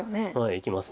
いきます。